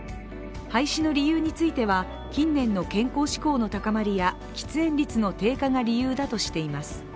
廃止の理由については、近年の健康志向の高まりや喫煙率の低下が理由だとしています。